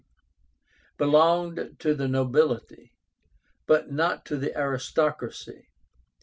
belonged to the nobility, but not to the aristocracy.